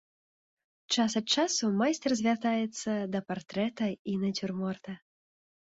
Час ад часу майстар звяртаецца да партрэта і нацюрморта.